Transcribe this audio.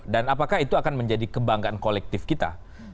dan apakah itu akan menjadi kebanggaan kolektif kita